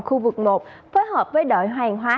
khu vực một phối hợp với đội hoàng hóa